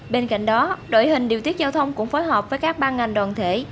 bên cạnh đó đội hình điều tiết giao thông cũng phối hợp với các ban ngành đoàn thể